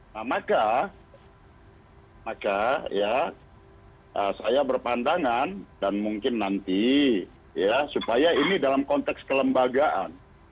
nah maka ya saya berpandangan dan mungkin nanti ya supaya ini dalam konteks kelembagaan